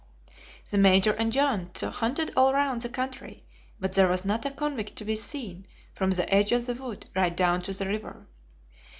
The Major and John hunted all round the country, but there was not a convict to be seen from the edge of the wood right down to the river.